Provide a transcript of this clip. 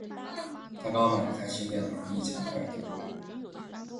她刚买了台新电脑，比之前的快多了。